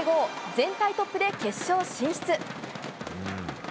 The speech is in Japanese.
全体トップで決勝進出。